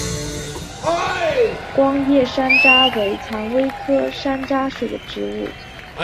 光叶山楂为蔷薇科山楂属的植物。